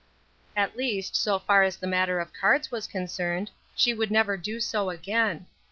At least, so far as the matter of cards was concerned, she would never do so again.